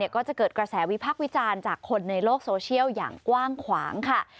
ก็จะเกิดกระแสวิพักษ์วิจารณ์จากคนในโลกโซเชียลอย่างกว้างขวางค่ะ